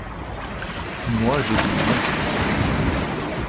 Moi, j’écris bien.